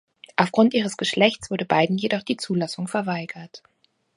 Aufgrund ihres Geschlechts wurde beiden jedoch die Zulassung verweigert.